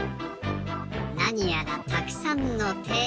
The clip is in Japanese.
なにやらたくさんのて。